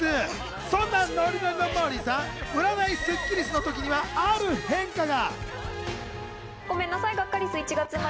そんなノリノリのモーリーさん、占いスッキりすの時には、ある変化が。